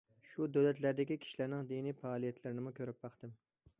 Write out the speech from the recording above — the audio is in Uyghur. شۇ دۆلەتلەردىكى كىشىلەرنىڭ دىنىي پائالىيەتلىرىنىمۇ كۆرۈپ باقتىم.